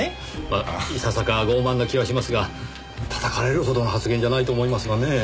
まあいささか傲慢な気はしますが叩かれるほどの発言じゃないと思いますがねぇ。